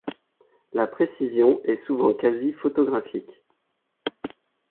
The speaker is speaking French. La précision est souvent quasi photographique.